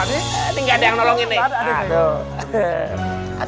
tidak ada yang nolong ini